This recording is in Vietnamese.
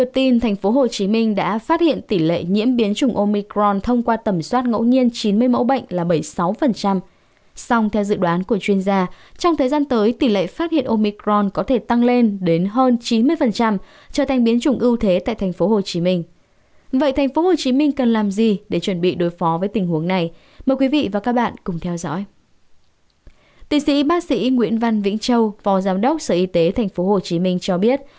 tiến sĩ bác sĩ nguyễn văn vĩnh châu phò giám đốc sở y tế tp hcm cho biết